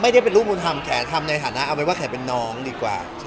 ไม่ได้เป็นลูกบุญธรรมแขทำในฐานะเอาไว้ว่าแขกเป็นน้องดีกว่า